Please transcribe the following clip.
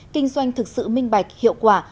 kinh doanh thực sự minh bạch hiệu quả